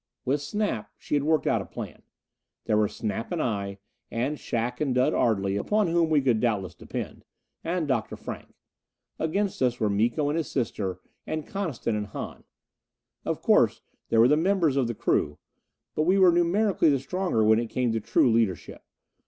With Snap she had worked out a plan. There were Snap and I; and Shac and Dud Ardley, upon whom we could doubtless depend. And Dr. Frank. Against us were Miko and his sister; and Coniston and Hahn. Of course there were the members of the crew. But we were numerically the stronger when it came to true leadership.